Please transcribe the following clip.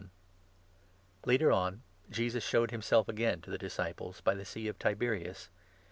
Later on, Jesus showed himself again to the i Appearance disciples by the Sea of Tiberias.